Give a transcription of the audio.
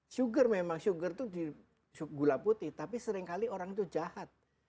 sugar memang sugar itu gula putih tapi seringkali orang itu jahat